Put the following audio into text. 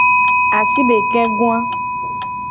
Asidekegoa.